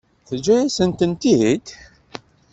Teǧǧa-yasen-tent-id?